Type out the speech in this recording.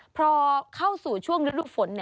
เพราะเข้าสู่ช่วงฤทธิ์ฝน